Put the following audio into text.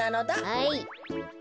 はい。